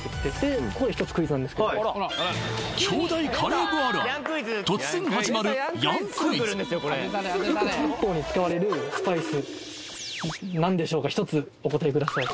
京大カレー部あるある突然始まるヤンクイズよく漢方に使われるスパイス何でしょうか一つお答えください